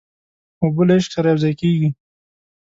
اوبه له عشق سره یوځای کېږي.